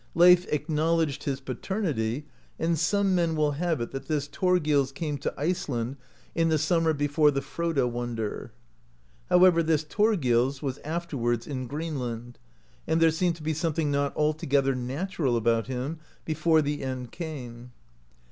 Leif acknowledged his paternity, and some men will have it that this Thorgils came to Iceland in the simimer before the Froda wonder (35). However, this Thorgils was afterwards in Greenland, and there seemed to be something not altogether natural about him before the end came.